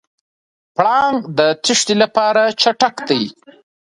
پړانګ د تېښتې لپاره چټک دی.